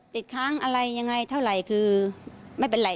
ติดค้างอะไรยังไงเท่าไหร่คือไม่เป็นไร